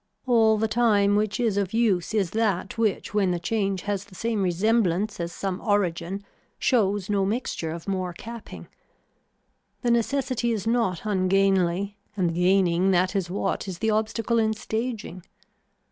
All the time which is of use is that which when the change has the same resemblance as some origin shows no mixture of more capping. The necessity is not ungainly and gaining that is what is the obstacle in staging.